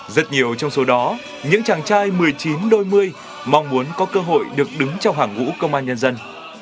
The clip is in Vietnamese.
rất nhiều trong số đó những chàng trai một mươi chín đôi mươi mong muốn có cơ hội được đứng trong hàng ngũ công an nhân dân